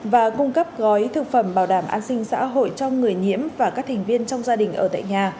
và cung cấp gói thực phẩm bảo đảm an sinh xã hội cho người nhiễm và các thành viên trong gia đình ở tại nhà